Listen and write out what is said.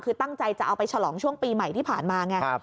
คือตั้งใจจะเอาไปฉลองช่วงปีใหม่ที่ผ่านมาไง